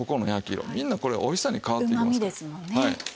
みんなこれおいしさに変わっていきますから。